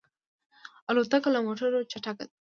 الوتکه له موټرو چټکه ده.